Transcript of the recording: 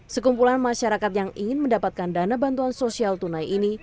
sekumpulan masyarakat yang ingin mendapatkan dana bantuan sosial tunai ini